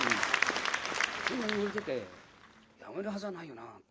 こんなに売れてて辞めるはずがないよな。